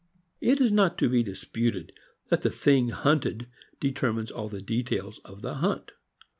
It is not to be disputed that the thing hunted determines all the details of the hunt.